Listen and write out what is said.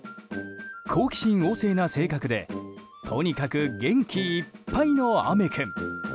好奇心旺盛な性格でとにかく元気いっぱいのあめ君。